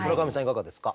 いかがですか？